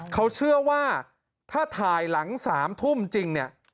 เขาเชื่อว่าถ้าถ่ายหลัง๓ทุ่มจริงเนี่ย